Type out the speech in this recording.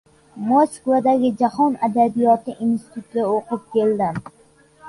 Moskvadagi Jahon Adabiyoti institutida o‘qib keldim.